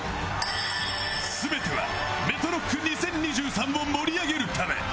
「全ては“ＭＥＴＲＯＣＫ２０２３”を盛り上げるため」